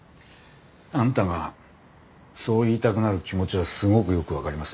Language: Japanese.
あんたがそう言いたくなる気持ちはすごくよくわかります。